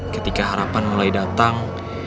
ketika harapan mulai datang